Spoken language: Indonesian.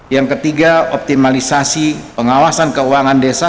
yang ketiga optimalisasi pengawasan keuangan desa